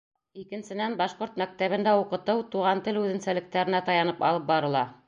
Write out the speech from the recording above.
Икенсенән, башҡорт мәктәбендә уҡытыу туган тел үҙенсәлектәренә таянып алып барыла.